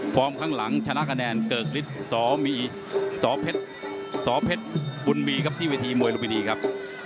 ข้างหลังชนะคะแนนเกิกฤทธิ์สเพชรบุญมีครับที่เวทีมวยลุมินีครับ